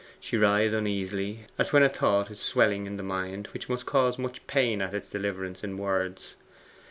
She writhed uneasily, as when a thought is swelling in the mind which must cause much pain at its deliverance in words.